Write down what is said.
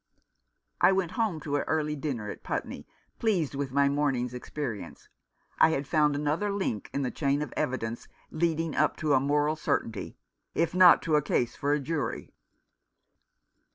I went home to an early dinner at Putney, pleased with my morning's experience. I had found another link in the chain of evidence lead ing up to a moral certainty, if not to a case for a jury.